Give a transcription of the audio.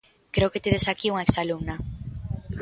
Creo que tedes aquí unha exalumna.